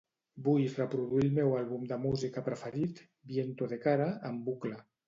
Vull reproduir el meu àlbum de música preferit, "Viento de cara", en bucle.